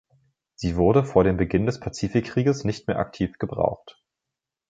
Sie wurde vor dem Beginn des Pazifikkrieges nicht mehr aktiv gebraucht.